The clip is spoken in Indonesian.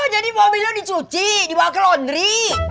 jadi mobil lo dicuci di bawah ke londri